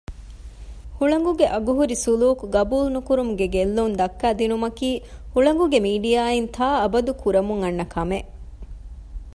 ހުޅަނގުގެ އަގުހުރި ސުލޫކު ގަބޫލު ނުކުރުމުގެ ގެއްލުން ދައްކައިދިނުމަކީ ހުޅަނގުގެ މީޑިއާއިން ތާއަބަދު ކުރަމުން އަންނަ ކަމެއް